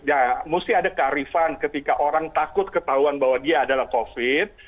ya mesti ada kearifan ketika orang takut ketahuan bahwa dia adalah covid